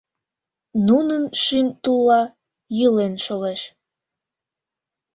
Нунын шӱм тулла йӱлен шолеш.